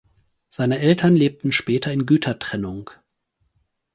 Seine Eltern lebten später in Gütertrennung.